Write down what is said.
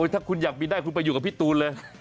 ถ้าคุณอยากบินได้คุณไปอยู่กับพี่ตูนเลย